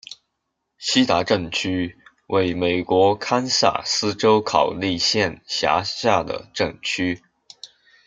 锡达镇区为美国堪萨斯州考利县辖下的镇区。